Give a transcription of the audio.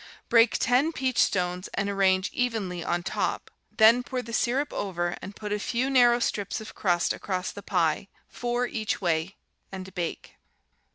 Break ten peach stones and arrange evenly on top; the pour the syrup over, and put a few narrow strips of crust across the pie, four each way, and bake.